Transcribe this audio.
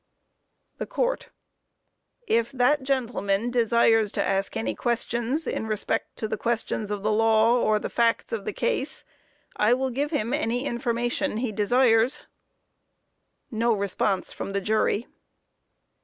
THE COURT: If that gentleman desires to ask any questions in respect to the questions of law, or the facts in the case, I will give him any information he desires. (No response from the jury.)